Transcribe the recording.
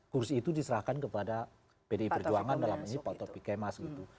kursi itu diserahkan kepada pdi perjuangan dalam ini pak topi kemas gitu